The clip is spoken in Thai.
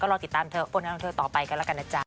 ก็รอติดตามผลงานของเธอต่อไปกันละกันนะจ๊ะ